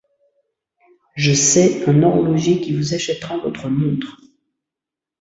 Je sais un horloger qui vous achètera votre montre.